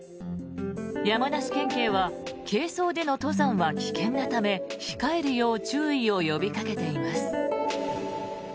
山梨県警は軽装での登山は危険なため控えるよう注意を呼びかけています。